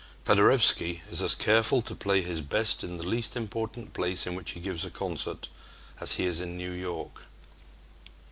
Paderewski is as careful to play his best in the least important place in which he gives a concert as he is in New York.